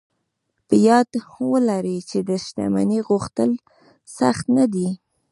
په یاد و لرئ چې د شتمنۍ غوښتل سخت نه دي